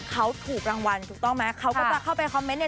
เขาถูกรางวัลถูกต้องไหมเขาก็จะเข้าไปคอมเมนต์เนี่ย